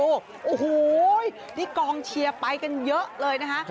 โอ้โหนี่กองเชียร์ไปกันเยอะเลยนะคะ